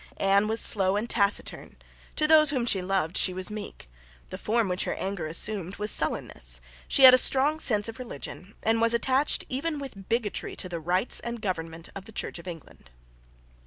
Anne was slow and taciturn. To those whom she loved she was meek. The form which her anger assumed was sullenness. She had a strong sense of religion, and was attached even with bigotry to the rites and government of the Church of England.